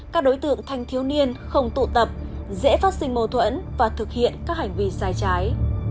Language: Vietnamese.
các đối tượng thanh thiếu niên không tụ tập dễ phát sinh mâu thuẫn và thực hiện các hành vi sai trái